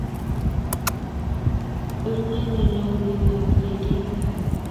Onyiny logoekab ketit ni